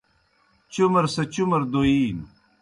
چُمر سہ چُمر دوئینوْ